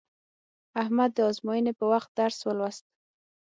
احمد د ازموینې په وخت درس ولوست.